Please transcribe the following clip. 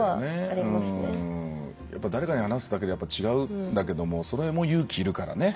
やっぱ誰かに話すだけで違うんだけどもそれも勇気いるからね。